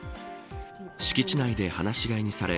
敷地内で放し飼いにされ